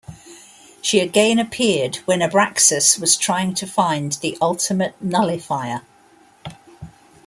She again appeared when Abraxas was trying to find the Ultimate Nullifier.